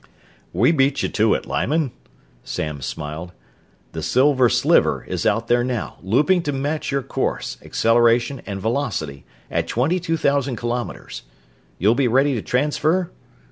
"We beat you to it, Lyman," Samms smiled. "The Silver Sliver is out there now, looping to match your course, acceleration, and velocity at twenty two thousand kilometers. You'll be ready to transfer?"